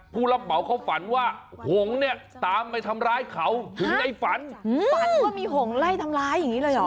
ผู้รับเหมาเขาฝันว่าหงเนี่ยตามไปทำร้ายเขาถึงในฝันฝันว่ามีหงไล่ทำร้ายอย่างนี้เลยเหรอ